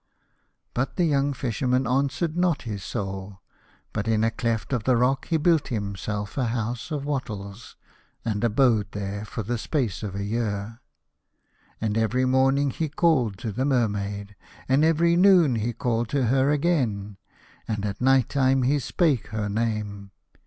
But the young Fisherman answered not his Soul, but in a cleft of the rock he built himself a house of wattles, and abode there for the space of a year. And every morning he called to the Mermaid, and every noon he called to her again, and at night time he spake her name.